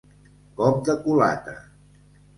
Cop de culata.